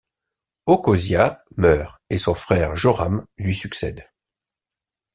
Ochozias meurt et son frère Joram lui succède.